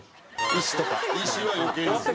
石は余計ですね。